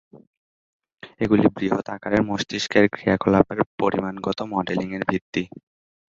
এগুলি বৃহৎ আকারের মস্তিষ্কের ক্রিয়াকলাপের পরিমাণগত মডেলিংয়ের ভিত্তি।